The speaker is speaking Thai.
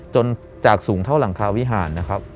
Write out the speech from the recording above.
จากสูงเท่าหลังคาวิหารนะครับ